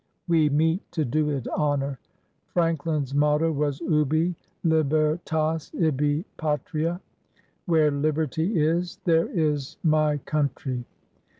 We meet to do it honor. Franklin's motto was, Ubi Lib ertas : ibi patria — Where Liberty is, there is my coun try.